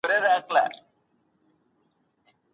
ورزش د انسان د بدن لپاره اړین دی.